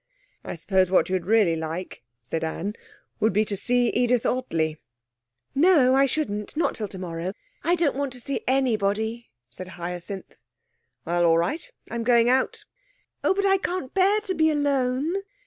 'I suppose what you'd really like,' said Anne, 'would be to see Edith Ottley.' 'No, I shouldn't. Not till tomorrow. I don't want to see anybody,' said Hyacinth. 'Well, all right. I'm going out.' 'Oh, but I can't bear to be alone.'